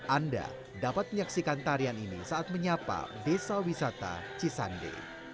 anda dapat menyaksikan tarian ini saat menyapa desa wisata cisande